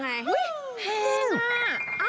แพงมาก